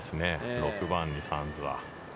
６番にサンズは。